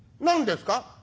「何ですか？」。